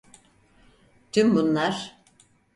Tüm bunlar!